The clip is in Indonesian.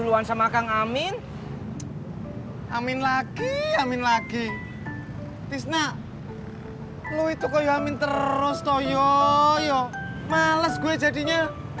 pinggangnya selama kalinya sudah clutch di kantor aku foreign dua orang